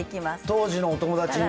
当時のお友達に。